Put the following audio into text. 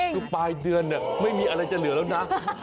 คือปลายเดือนไม่มีอะไรจะเหลือแล้วนะ